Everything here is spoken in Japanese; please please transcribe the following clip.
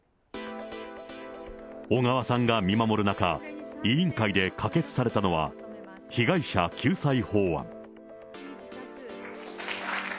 小川さんが見守る中、委員会で可決されたのは、被害者救済法案。